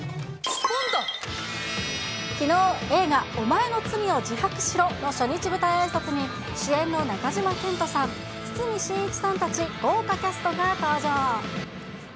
きのう、映画、おまえの罪を自白しろ！の初日舞台あいさつに、主演の中島健人さん、堤真一さんたち、豪華キャストが登場。